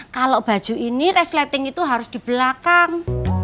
kalau baju ini resleting itu harus di belakang